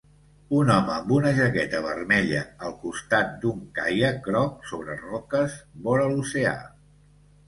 un home amb una jaqueta vermella al costat d'un caiac groc sobre roques vora l'oceà.